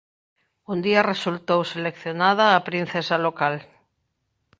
Un día resultou seleccionada a princesa local.